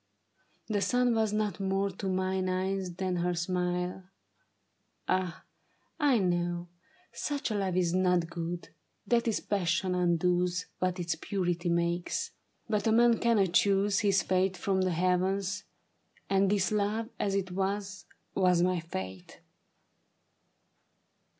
The sun Was not more to mine eyes than her smile. Ah, I know Such a love is not good — that its passion undoes What its purity makes. But a man cannot choose His fate from the heavens ; and this love, as it was, Was my fate.